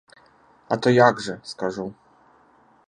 А то як жа, скажу.